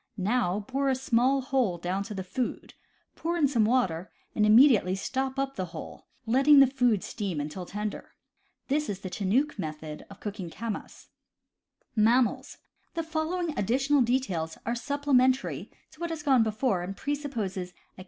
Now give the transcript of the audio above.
Now bore a small hole down to the food, pour in some water, and immediately stop up the hole, letting the food steam until tender. This is the Chinook method of cooking camass. The following additional details are supplementary to what has gone before, and presuppose a amma s.